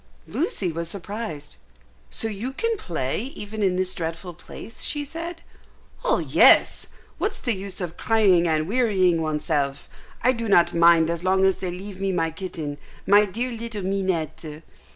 Lucy was surprised. "So you can play even in this dreadful place?" she said. "Oh yes! What's the use of crying and wearying oneself? I do not mind as long as they leave me my kitten, my dear little Minette."